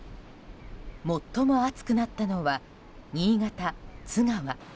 最も暑くなったのは新潟・津川。